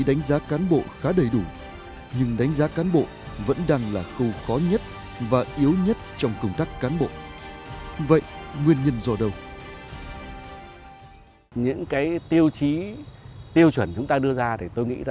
đánh giá cán bộ